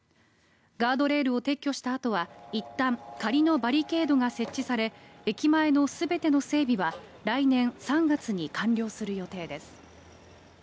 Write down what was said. ガードレールを撤去したあとはいったん仮のバリケードが設置され駅前の全ての整備は来年３月に完了する予定です。